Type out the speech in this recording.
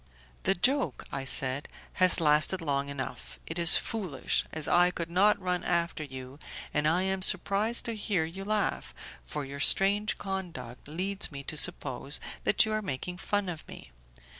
"The joke," I said, "has lasted long enough; it is foolish, as I could not run after you, and I am surprised to hear you laugh, for your strange conduct leads me to suppose that you are making fun of me.